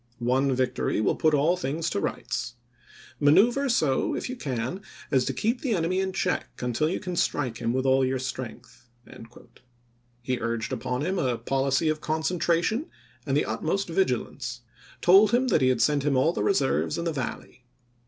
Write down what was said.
One victory will put all things to rights. .. Manoeuvre so, if you can, as to keep the enemy in check until you can strike him with all your strength." He urged upon him a policy of concentration and the utmost vigilance ; told him he had sent him all the reserves in the Valley.